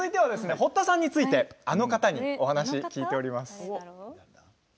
堀田さんについてあの方に聞いています。